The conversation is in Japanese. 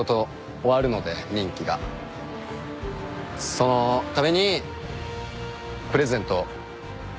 そのためにプレゼントを。